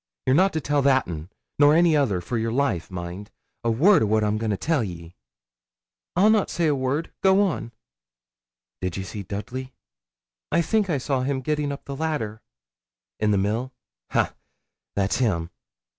You're not to tell that un nor any other for your life, mind, a word o' what I'm goin' to tell ye.' 'I'll not say a word. Go on.' 'Did ye see Dudley?' 'I think I saw him getting up the ladder.' 'In the mill? Ha! that's him.